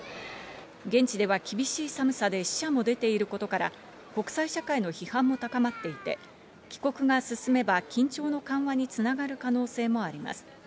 現地では厳しい寒さで死者も出ていることから、国際社会の批判も高まっていて、帰国が進めば緊張の緩和に繋がる可能性もあります。